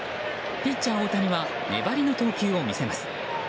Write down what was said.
ピッチャー大谷は粘りの投球を見せます。